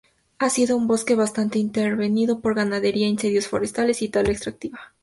Ha sido un bosque bastante intervenido por ganadería, incendios forestales y tala extractiva.